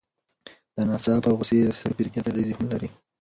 د ناڅاپه غوسې څپې فزیکي اغېزې هم لري.